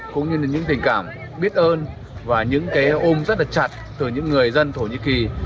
cũng như là những tình cảm biết ơn và những cái ôm rất là chặt từ những người dân thổ nhĩ kỳ